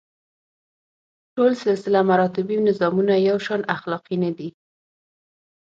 ټول سلسله مراتبي نظامونه یو شان اخلاقي نه دي.